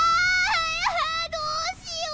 あんどうしよう。